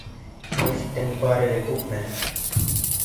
«Нефттең бареле күпме?»